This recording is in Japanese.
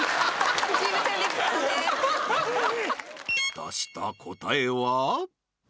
出した答えは？